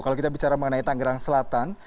kalau kita bicara mengenai tangerang selatan